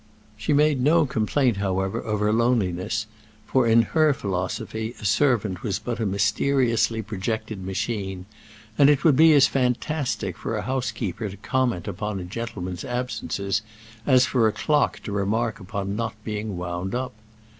She made no complaint, however, of her loneliness, for in her philosophy a servant was but a mysteriously projected machine, and it would be as fantastic for a housekeeper to comment upon a gentleman's absences as for a clock to remark upon not being wound up.